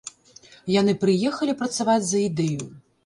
Яны прыехалі працаваць за ідэю.